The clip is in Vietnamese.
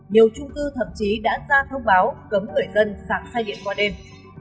nhiều trung tư thậm chí đã ra thông báo cấm người dân xạc xe điện qua đêm